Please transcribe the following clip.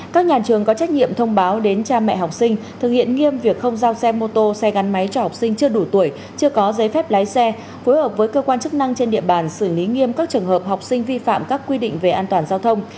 các nhà trường có trách nhiệm thông báo đến cha mẹ học sinh thực hiện nghiêm việc không giao xe mô tô xe gắn máy cho học sinh chưa đủ tuổi chưa có giấy phép lái xe phối hợp với cơ quan chức năng trên địa bàn xử lý nghiêm các trường hợp học sinh vi phạm các quy định về an toàn giao thông